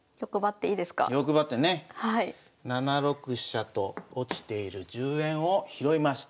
欲張ってね７六飛車と落ちている１０円を拾いました。